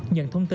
nhận thông tin